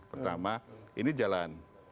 pertama ini jalan